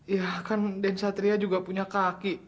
ya kan dance satria juga punya kaki